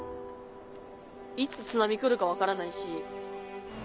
いつ津波来るか分からないし。